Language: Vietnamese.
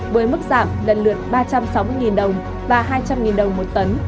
với mức giảm lần lượt ba trăm sáu mươi đồng và hai trăm linh đồng một tấn